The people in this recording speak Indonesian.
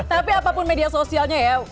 tapi apapun media sosialnya ya